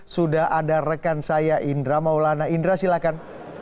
sudah ada rekan saya indra maulana indra silahkan